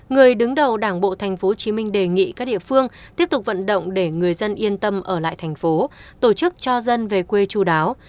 người đứng đầu đảng bộ tp hcm đề nghị các địa phương tiếp tục vận động để người dân yên tâm ở lại thành phố tổ chức cho dân về quê chú đáo